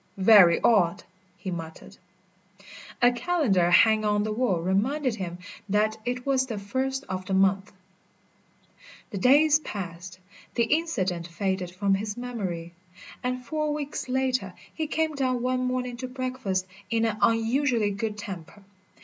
"Very odd!" he muttered. A calendar hanging on the wall reminded him that it was the first of the month. The days passed, the incident faded from his memory, and four weeks later he came down one morning to breakfast in an unusually good temper.